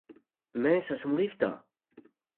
Mēs esam liftā!